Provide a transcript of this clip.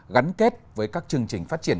gắn kết với các chương trình phát triển